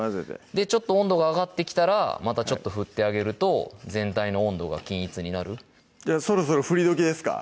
ちょっと温度が上がってきたらまたちょっと振ってあげると全体の温度が均一になるじゃあそろそろ振り時ですか？